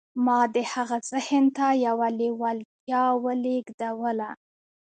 ما د هغه ذهن ته يوه لېوالتیا ولېږدوله.